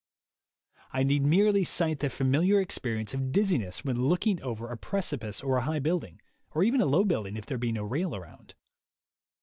I need merely cite the familiar experience of dizziness when looking over a preci pice or a high building, or even a low building if there be no rail around.